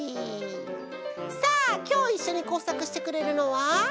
さあきょういっしょにこうさくしてくれるのは。